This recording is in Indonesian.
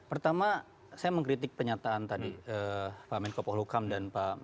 pertama saya mengkritik penyataan tadi pak menko pohlukam dan pak